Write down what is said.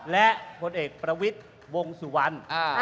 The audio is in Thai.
และผลเอกประวิทย์วงสุวรรณ